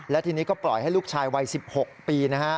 และทีนี้ก็ปล่อยให้ลูกชายวัย๑๖ปีนะฮะ